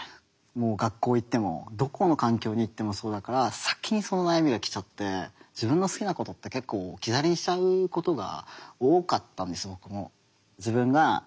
もう学校行ってもどこの環境に行ってもそうだから先にその悩みが来ちゃって自分の好きなことって結構置き去りにしちゃうことが多かったんです僕も。